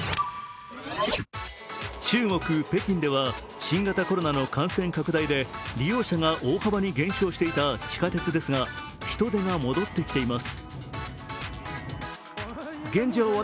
中国・北京では新型コロナの感染拡大で利用者が大幅に減少していた地下鉄ですが人出が戻ってきています。